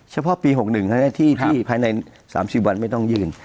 เฉพาะปี๖๑ที่ภายใน๓๐วันไม่ต้องยื่น